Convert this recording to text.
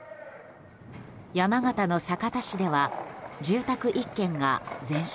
山形の酒田市では住宅１軒が全焼。